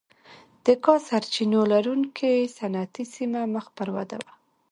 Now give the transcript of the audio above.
د کا سرچینو لرونکې صنعتي سیمه مخ پر وده وه.